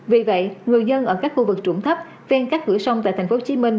vì vậy người dân ở các khu vực trụng thấp ven các hữu sông tại thành phố hồ chí minh